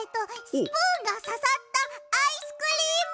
スプーンがささったアイスクリーム。